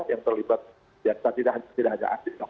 yang terlibat tidak ada asli